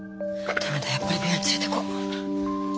ダメだやっぱり病院連れてこう。